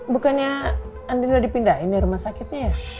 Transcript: bukannya andin udah dipindahin rumah sakitnya ya